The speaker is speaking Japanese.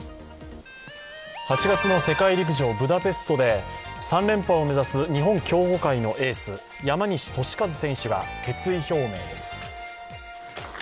８月の世界陸上ブダペストで３連覇を目指す日本競歩界のエース山西利和選手が決意表明です。